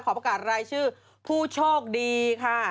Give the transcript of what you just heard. ประกาศรายชื่อผู้โชคดีค่ะ